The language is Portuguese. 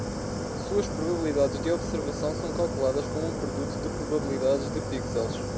Suas probabilidades de observação são calculadas como um produto de probabilidades de pixels.